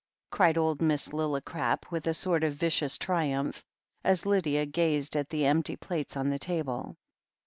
cried old Miss Lillicrap with a sort of vicious triimiph, as Lydia gazed at the empty plates on the table.